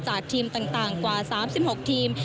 ทีมต่างกว่า๓๖ทีม